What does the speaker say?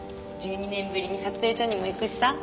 １２年ぶりに撮影所にも行くしさ。